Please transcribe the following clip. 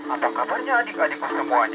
apa kabarnya adik adikku semuanya